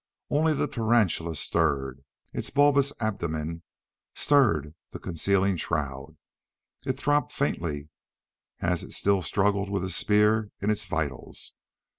Only the tarantula stirred. Its bulbous abdomen stirred the concealing shroud. It throbbed faintly as it still struggled with the spear in its vitals.